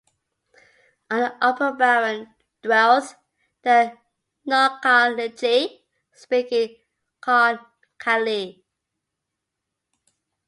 On the upper Barron dwelt the 'Narkalinji' speaking 'Narkali'.